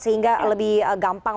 sehingga lebih gampang